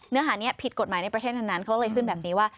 เนื้อหานี้ผิดกฎหมายในประเทศทั้งนั้นเขาเลยขึ้นแบบนี้ว่า